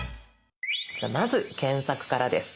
じゃあまず検索からです。